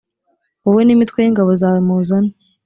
wowe n ‘imitwe y ‘ingabo zawe muzane.